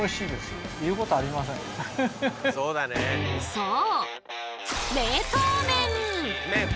そう！